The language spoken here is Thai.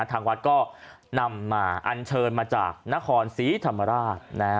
ทางวัดก็นำมาอันเชิญมาจากนครศรีธรรมราช